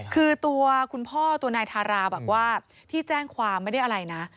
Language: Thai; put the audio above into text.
คือตัวคุณพ่อตัวนายทาราบอกว่าที่แจ้งความไม่ได้อะไรนะ